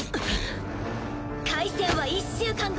開戦は１週間後！